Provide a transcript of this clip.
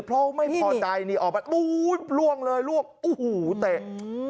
เพราะไม่พอใจออกไปปู๊ล่วงเลยล่วงอูหูเตะ